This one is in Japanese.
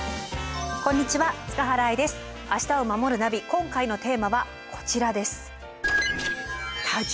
今回のテーマはこちらです。